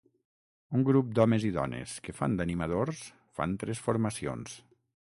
Un grup d'homes i dones que fan d'animadors fan tres formacions.